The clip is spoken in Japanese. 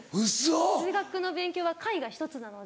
数学の勉強は解が１つなので。